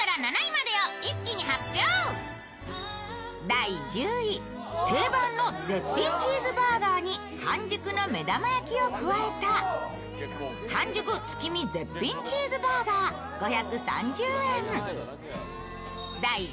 第１０位、定番の絶品チーズバーガーに半熟の目玉焼きを加えた半熟月見絶品チーズバーガー５３０円。